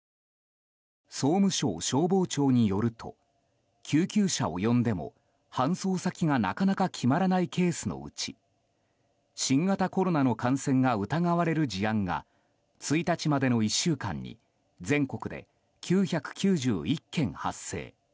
総務省消防庁によると救急車を呼んでも搬送先がなかなか決まらないケースのうち新型コロナの感染が疑われる事案が１日までの１週間に全国で９９１件発生。